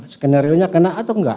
skenarionya kena atau enggak